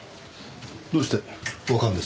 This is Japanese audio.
どうしてわかるんです？